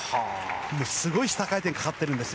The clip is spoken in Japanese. すごい下回転がかかってるんです。